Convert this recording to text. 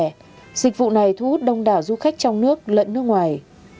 khi du khách cảm thấy vui vẻ dịch vụ này thu hút đông đảo du khách trong nước lẫn nước ngoài